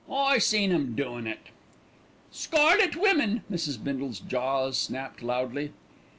I seen 'em doin' it." "Scarlet women!" Mrs. Bindle's jaws snapped loudly.